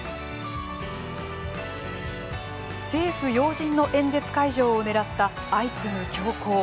政府要人の演説会場を狙った相次ぐ凶行。